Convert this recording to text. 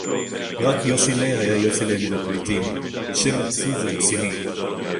וְרַק יוֹסִי’לִי הָיָה יוֹסִי’לִי מִן הַפְּלִיטִים, שֵׁם עָצוּב וּרְצִינִי